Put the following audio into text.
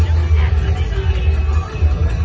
มันเป็นเมื่อไหร่แล้ว